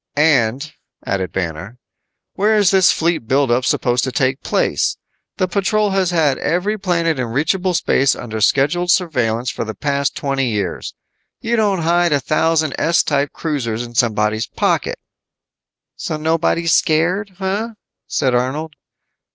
"And," added Banner, "where is this fleet build up supposed to take place? The patrol has had every planet in reachable space under scheduled surveillance for the past twenty years. You don't hide a thousand S type cruisers in somebody's pocket." "So nobody's scared, huh?" said Arnold.